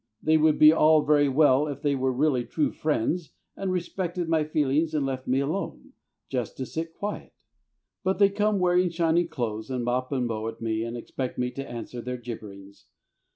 They would be all very well if they were really true friends and respected my feelings and left me alone, just to sit quiet. But they come wearing shiny clothes, and mop and mow at me and expect me to answer their gibberings.